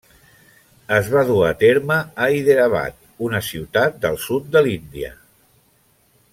Es va dur a terme a Hyderabad, una ciutat del sud de l'Índia.